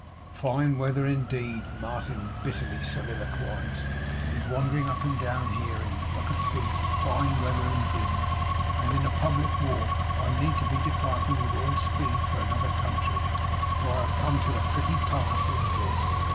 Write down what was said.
'Fine weather indeed,' Martin bitterly soliloquised, 'to be wandering up and down here in, like a thief! Fine weather indeed, for a meeting of lovers in the open air, and in a public walk! I need be departing, with all speed, for another country; for I have come to a pretty pass in this!